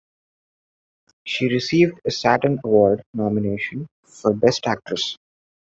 She received a Saturn Award nomination for Best Actress.